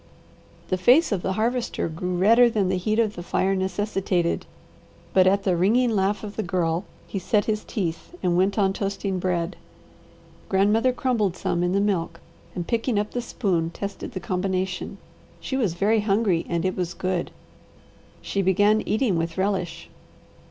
The face of the Harvester grew redder than the heat of the fire necessitated, but at the ringing laugh of the Girl he set his teeth and went on toasting bread. Grandmother crumbled some in the milk and picking up the spoon tested the combination. She was very hungry, and it was good. She began eating with relish.